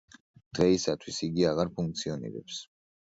დღეისათვის იგი აღარ ფუნქციონირებს.